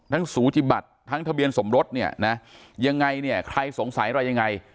สูจิบัติทั้งทะเบียนสมรสเนี่ยนะยังไงเนี่ยใครสงสัยอะไรยังไง